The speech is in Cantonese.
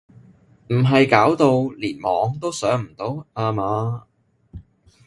唔係搞到連網都上唔到呀嘛？